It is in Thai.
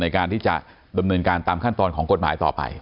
ในการที่จะดำเนินการตามขั้นตอนของกฎหมายต่อไป